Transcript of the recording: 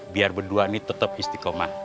biar berdua ini tetap istiqomah